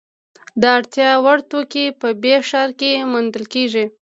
د اړتیا وړ توکي په ب ښار کې موندل کیدل.